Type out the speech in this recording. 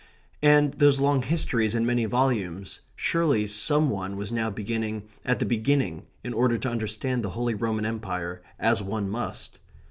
And those long histories in many volumes surely some one was now beginning at the beginning in order to understand the Holy Roman Empire, as one must.